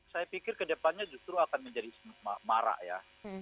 saya pikir kedepannya justru akan menjadi marak ya